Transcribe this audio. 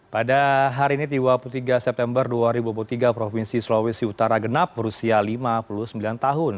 pada hari ini tiga puluh tiga september dua ribu dua puluh tiga provinsi sulawesi utara genap berusia lima puluh sembilan tahun